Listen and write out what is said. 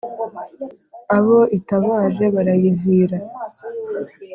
abo itabaje barayivira.